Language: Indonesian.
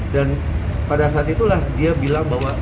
dan pada saat itulah dia bilang bahwa